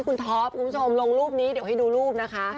คุณท็อปคุณผู้ชมลงรูปนี้เดี๋ยวให้ดูรูปนะคะ